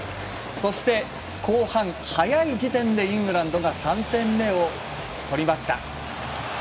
そして、後半早い時点でイングランドが３点目を取りました。